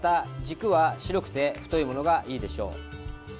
軸は白く太いものがいいでしょう。